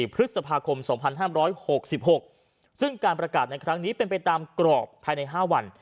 พฤษภาคม๒๕๖๖ซึ่งการประกาศในครั้งนี้เป็นไปตามกรอบภายใน๕วัน